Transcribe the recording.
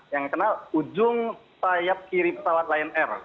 yang kenal ujung sayap kiri pesawat lion air